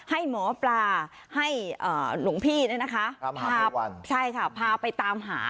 ให้หมอปลาให้อ่าหนุ่งพี่เนี่ยนะคะพาพาไปตามหา